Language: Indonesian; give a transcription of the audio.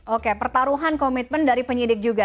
oke pertaruhan komitmen dari penyidik juga